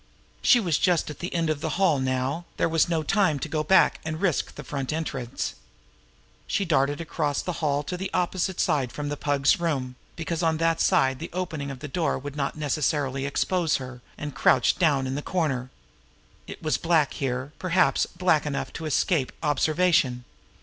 She was just at the end of the hall now. There was no time to go back and risk the front entrance. She darted across the hall to the opposite side from that of the Pug's room, because on that side the opening of the door would not necessarily expose her, and crouched down in the corner. It was black here, perhaps black enough to escape observation.